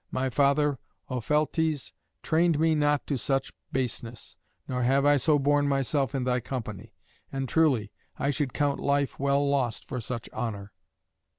My father Opheltes trained me not to such baseness, nor have I so borne myself in thy company. And truly I should count life well lost for such honour."